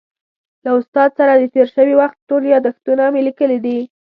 له استاد سره د تېر شوي وخت ټول یادښتونه مې لیکلي دي.